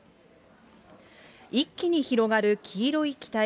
一気に広がる黄色い気体。